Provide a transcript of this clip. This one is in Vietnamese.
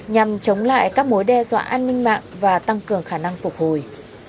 nhằm chống lại các mối đe dọa an ninh mạng và tăng cường khả năng phục hồi